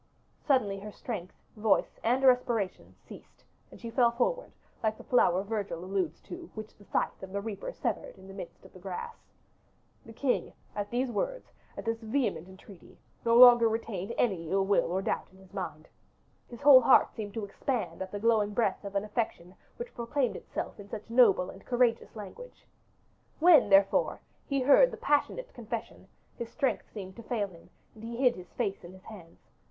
Suddenly her strength, voice, and respiration ceased, and she fell forward, like the flower Virgil alludes to, which the scythe of the reaper severed in the midst of the grass. The king, at these words, at this vehement entreaty, no longer retained any ill will or doubt in his mind: his whole heart seemed to expand at the glowing breath of an affection which proclaimed itself in such noble and courageous language. When, therefore, he heard the passionate confession, his strength seemed to fail him, and he hid his face in his hands.